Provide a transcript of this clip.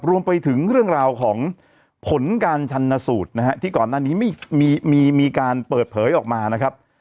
รวมไปถึงเรื่องราวของผลการชันสูตรนะฮะที่ก่อนหน้านี้มีการเปิดเผยออกมานะครับ